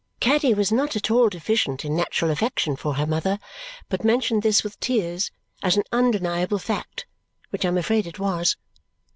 Caddy was not at all deficient in natural affection for her mother, but mentioned this with tears as an undeniable fact, which I am afraid it was.